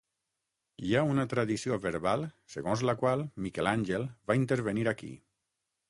Hi ha una tradició verbal segons la qual Miquel Àngel va intervenir aquí.